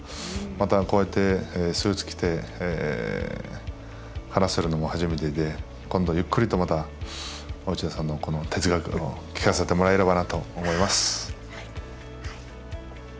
また、こうやってスーツを着て話せるのも初めてで今度ゆっくりとまた落合さんの哲学を聞かせてもらえればなと思います。